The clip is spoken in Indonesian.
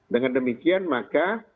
dengan demikian maka